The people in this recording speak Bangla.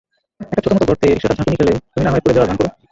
একটা ছোটমতো গর্তে রিকশাটা ঝাঁকুনি খেলে তুমি নাহয় পড়ে যাওয়ার ভান কোরো।